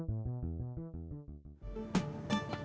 tidak bisa diandalkan